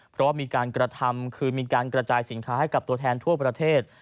เพราะว่ามีการกระทำคือมีการกระจายสินค้าให้กับตัวแทนทั่วประเทศ